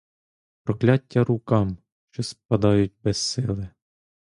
Прокляття рукам, що спадають без сили!